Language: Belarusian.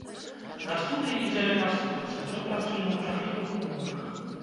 На студыі ідзе рэканструкцыя, мы працуем у жахлівых умовах.